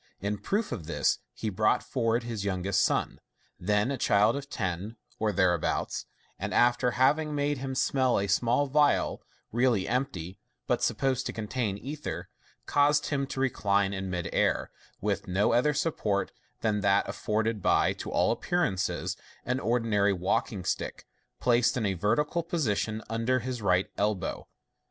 In proof of this, he brought forward his youngest son, then a child of ten or there abouts, and after having made him smell at a small phial, really empty, but supposed to contain ether, caused him to recline in mid air, with no other support than that afforded by, to all appearance, an ordinary walking stick, placed in a vertical position under his right elbow.